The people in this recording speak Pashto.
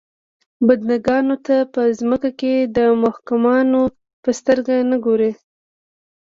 بنده ګانو ته په ځمکه کې محکومانو په سترګه نه ګوري.